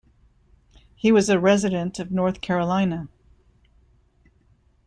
He was a resident of North Carolina.